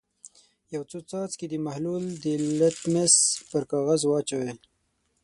یو څو څاڅکي د محلول د لتمس پر کاغذ واچوئ.